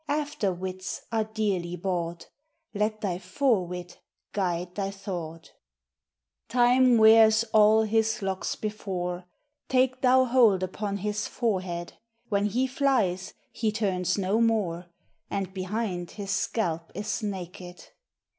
After wits are dearely bought, Let thy fore wit guide thy thought, Time weares all his locks before, Take thou hold upon his forehead; When he flies, he turnes no more, And behind his scalpe is naked.